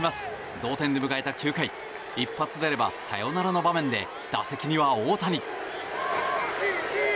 同点で迎えた９回一発出ればサヨナラの場面で打席には大谷。